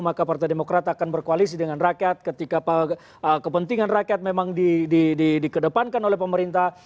maka partai demokrat akan berkoalisi dengan rakyat ketika kepentingan rakyat memang dikedepankan oleh pemerintah